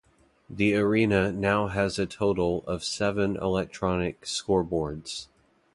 The arena now has a total of seven electronic scoreboards.